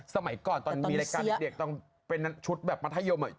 สมัยก่อนตอนมีรายการเด็กตอนเป็นชุดแบบมัธยม